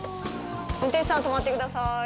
「運転手さん止まってください」